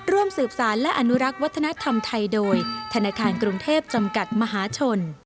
ร่วมสืบสารและอนุรักษ์วัฒนธรรมไทยโดยธนาคารกรุงเทพจำกัดมหาชน